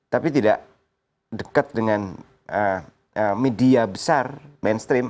tapi tidak dekat dengan media besar mainstream